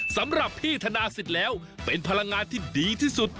สำหรับพี่ธนาศิษย์แล้วเป็นพลังงานที่ดีที่สุด